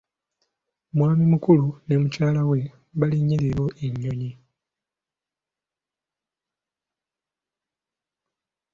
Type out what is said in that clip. Mwami Mukulu ne Mukyala we balinnya leero ennyonyi.